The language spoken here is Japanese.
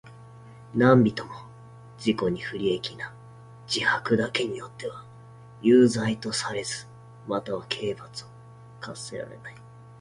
何人（なんびと）も自己に不利益な自白だけによっては有罪とされず、または刑罰を科せられない。